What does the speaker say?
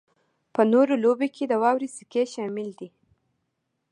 په نورو لوبو کې د واورې سکی شامل دی